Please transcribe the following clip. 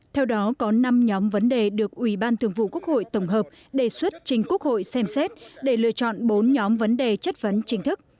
theo đó có năm nhóm vấn đề được ủy ban thường vụ quốc hội tổng hợp đề xuất trình quốc hội xem xét để lựa chọn bốn nhóm vấn đề chất vấn chính thức